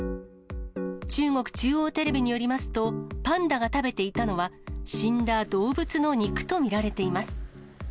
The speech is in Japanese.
中国中央テレビによりますと、パンダが食べていたのは、死んだ動物の肉と見られています。